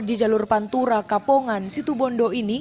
di jalur pantura kapongan situbondo ini